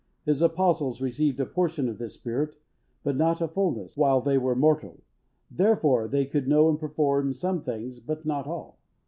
His Apostles received a portion of this Spirit, but not a fulness, while they were mortal; therefore, they could know and perform some things, but not all.